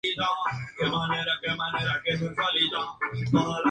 Los Habsburgo eran originarios de un modesto castillo en Argovia, actual Suiza.